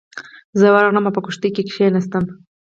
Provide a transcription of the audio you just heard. زه ورغلم او په کښتۍ کې کېناستم.